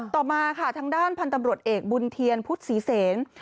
ต่อมาค่ะทางด้านพันธบริบุรษเอกบุญเทียนพุธศรีเสียร